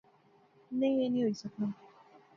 نئیں ایہہ نی ہوئی سکنا